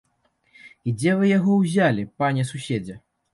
А дзе вы яго ўзялі, пане суседзе?